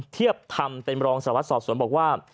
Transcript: เทียบทำแต่รองสหวัสด์ศอดส่วนบอกว่า